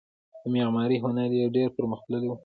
د معمارۍ هنر یې ډیر پرمختللی و